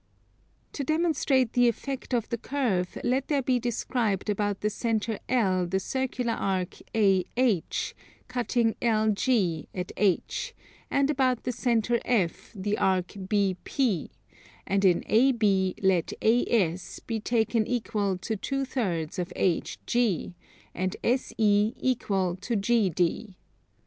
To demonstrate the effect of the curve, let there be described about the centre L the circular arc AH, cutting LG at H; and about the centre F the arc BP; and in AB let AS be taken equal to 2/3 of HG; and SE equal to GD.